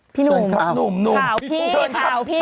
พี่หนุ่มข่าวพี่ข่าวพี่